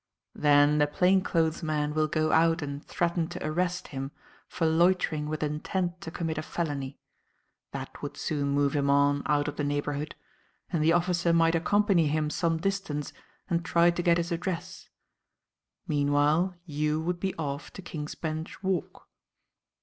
"Then the plain clothes man will go out and threaten to arrest him for loitering with intent to commit a felony. That would soon move him on out of the neighbourhood, and the officer might accompany him some distance and try to get his address. Meanwhile, you would be off to King's Bench Walk."